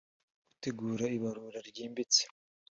gutegura ibarura ryimbitse